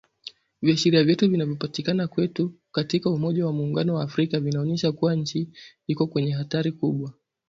Viashiria vyote vinavyopatikana kwetu katika umoja wa muungano wa afrika vinaonyesha kuwa nchi iko kwenye hatari kubwa.